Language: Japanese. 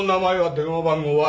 電話番号は？